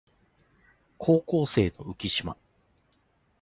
高校生の浮島